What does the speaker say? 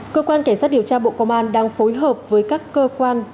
cơ quan cảnh sát điều tra bộ công an đang phối hợp với các cơ quan